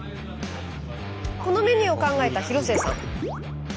このメニューを考えた広末さん。